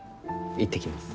行ってきます。